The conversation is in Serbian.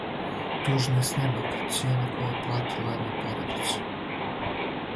Тужни снимак: цијена коју је платила једна породица